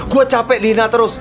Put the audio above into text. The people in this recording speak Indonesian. gue capek dihina terus